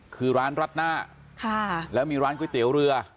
คือร้านรัดหน้าแล้วมีร้านก๋วยเตี๋ยวเรือ